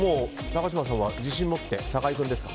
高嶋さんは自信を持って酒井君ですか。